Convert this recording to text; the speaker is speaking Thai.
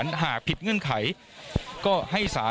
และมีความหวาดกลัวออกมา